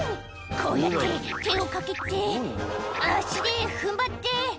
「こうやって手をかけて足で踏ん張って」